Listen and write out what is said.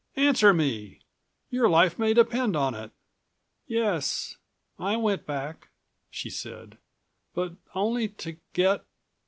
Answer me! Your life may depend on it." "Yes ... I went back," she said. "But only to get